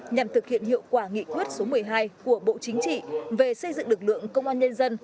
nhằm thực hiện hiệu quả nghị quyết số một mươi hai của bộ chính trị về xây dựng lực lượng công an nhân dân